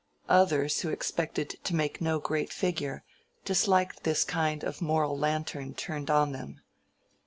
Others, who expected to make no great figure, disliked this kind of moral lantern turned on them.